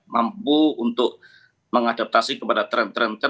mampu untuk mengadaptasi kepada trend trend